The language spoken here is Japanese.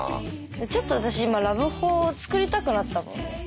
ちょっと私今ラブホを作りたくなったもんね。